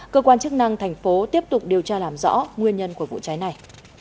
cơ quan chức năng thành phố tiếp tục điều tra làm rõ nguyên nhân của vụ cháy này